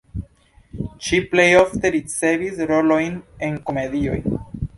Ŝi plej ofte ricevis rolojn en komedioj.